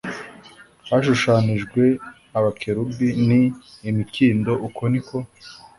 hashushanijwe abakerubi n imikindo uko ni ko